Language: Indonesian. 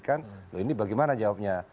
kan ini bagaimana jawabnya